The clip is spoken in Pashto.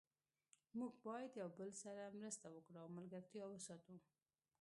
موږ باید یو بل سره مرسته وکړو او ملګرتیا وساتو